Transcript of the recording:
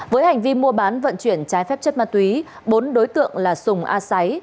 với hành vi mua bán vận chuyển trái phép chất ma túy bốn đối tượng là sùng a sáy